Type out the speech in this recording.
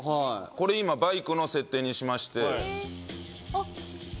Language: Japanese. これ今バイクの設定にしまして。